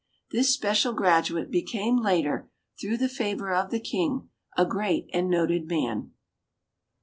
This special graduate became later, through the favour of the King, a great and noted man.